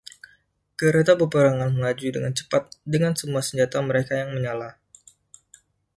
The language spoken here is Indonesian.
Kereta peperangan melaju dengan cepat dengan semua senjata mereka yang menyala.